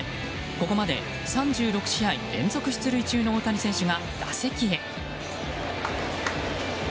ここまで３６試合連続出塁中の大谷選手が打席へ。